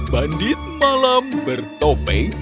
bandit malam bertopeng